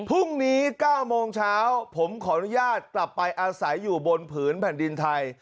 พรุ่งนี้๙โมงเช้าผมขออนุญาตกลับไปอาศัยอยู่บนผืนแผ่นดินไทย